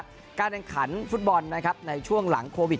ว่าการแรงขันฟุตบอลในช่วงหลังโควิด